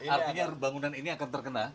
artinya bangunan ini akan terkena